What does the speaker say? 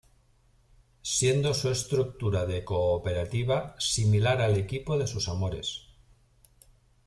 Siendo su estructura de cooperativa, similar al equipo de sus amores.